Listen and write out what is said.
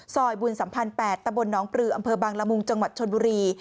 ซอยบุญสัมพันธ์๘ตะบนน้องปลืออำเภอบางละมุงจังหวัดชนบุรี